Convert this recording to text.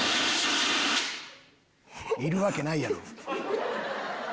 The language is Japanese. いるわけないやろ。